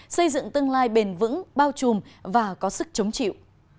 xây dựng tương lai bền vững bao trùm và có sức chống chịu